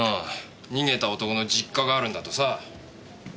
逃げた男の実家があるんだとさ。